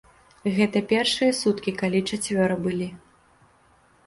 Гэта першыя суткі, калі чацвёра былі.